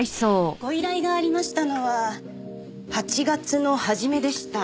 ご依頼がありましたのは８月の初めでした。